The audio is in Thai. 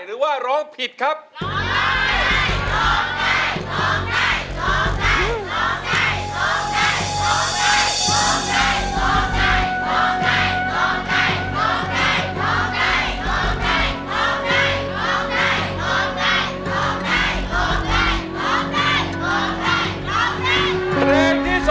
ได้ครับได้